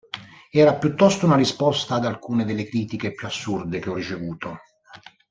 Era piuttosto una risposta ad alcune delle critiche più assurde che ho ricevuto.